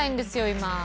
今。